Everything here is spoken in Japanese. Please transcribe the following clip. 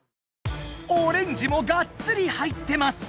オレンジもガッツリ入ってます！